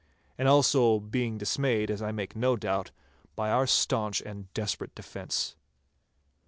And also being dismayed, as I make no doubt, by our staunch and desperate defence.